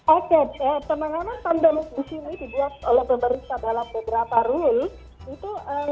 oke penanganan pandemi di sini dibuat oleh pemerintah dalam beberapa rule itu